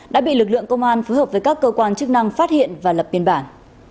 đã bị lực lượng công an phối hợp với các cơ quan chức năng phát hiện và lập biên bản